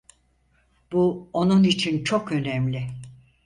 Bu onun için çok önemli.